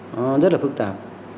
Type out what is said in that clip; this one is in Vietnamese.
nó rất là phức tạp